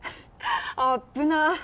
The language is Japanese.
あっぶな。